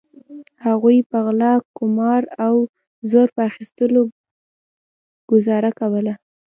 هغوی په غلا قمار او زور په اخیستلو ګوزاره کوله.